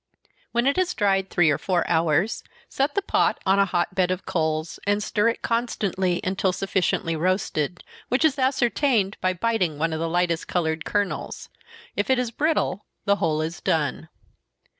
When it has dried three or four hours, set the pot on a hot bed of coals, and stir it constantly, until sufficiently roasted, which is ascertained by biting one of the lightest colored kernels if it is brittle, the whole is done.